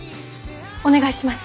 お願いします。